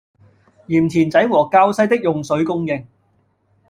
鹽田仔和滘西的用水供應